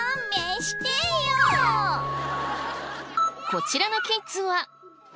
こちらのキッズは。